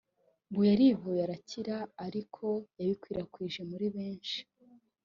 ngo yarivuje arakira ariko yayikwirakwije muri benshi